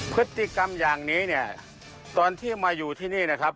พฤติกรรมอย่างนี้เนี่ยตอนที่มาอยู่ที่นี่นะครับ